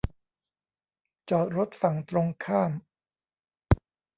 จอดรถฝั่งตรงข้าม